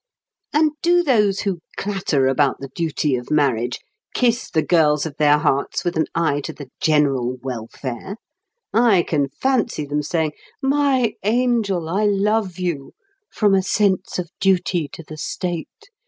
And do those who clatter about the duty of marriage kiss the girls of their hearts with an eye to the general welfare? I can fancy them saying, "My angel, I love you from a sense of duty to the state.